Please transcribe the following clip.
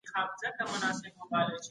د فارابي کتابونه بايد وژباړل سي.